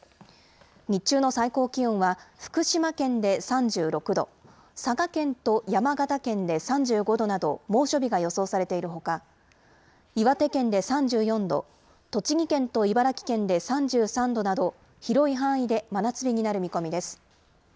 日中の最高気温は、福島県で３６度、佐賀県と山形県で３５度など、猛暑日が予想されているほか、岩手県で３４度、栃木県と茨城県で３３度など、広い範囲で真夏日になる見込みです。